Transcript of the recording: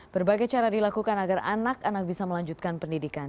berbagai cara dilakukan agar anak anak bisa melanjutkan pendidikan